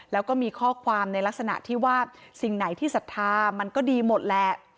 แล้วก็มีข้อความในลักษณะที่ว่าสิ่งไหนที่ศรัทธามันก็ดีหมดแหละ